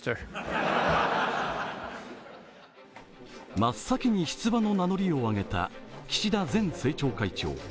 真っ先に出馬の名乗りを上げた岸田前政調会長。